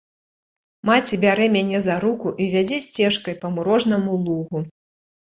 Маці бярэ мяне за руку і вядзе сцежкай па мурожнаму лугу.